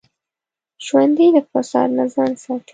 ژوندي له فساد نه ځان ساتي